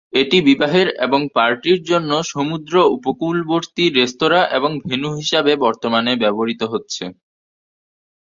এটি বিবাহের এবং পার্টির জন্য সমুদ্র উপকূলবর্তী রেস্তোঁরা এবং ভেন্যু হিসাবে বর্তমানে ব্যবহৃত হচ্ছে।